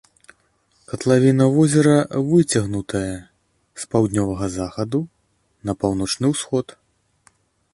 Катлавіна возера выцягнутая з паўднёвага захаду на паўночны ўсход.